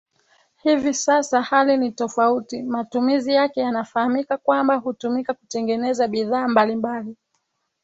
Hivi sasa hali ni tofauti matumizi yake yanafahamika kwamba hutumika kutengeneza bidhaa mbali mbali